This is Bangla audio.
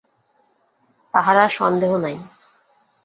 তাহার আর সন্দেহ নাই।